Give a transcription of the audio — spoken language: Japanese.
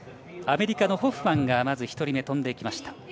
アメリカのホフマンがまず１人目、飛んでいきました。